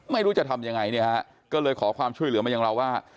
ไม่รู้จะทำยังไงเนี่ยฮะก็เลยขอความช่วยเหลือมาอย่างเราว่า